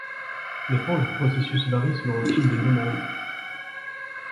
Le temps du processus varie selon le type de demande.